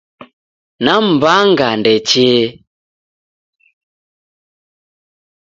Namw'anga ndechee